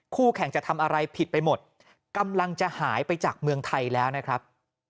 คู่แข่งจะทำอะไรผิดไปหมดกำลังจะหายไปจากเมืองไทยแล้วนะครับ